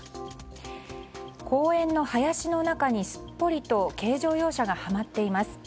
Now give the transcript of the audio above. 公園の林の中にすっぽりと軽乗用車がはまっています。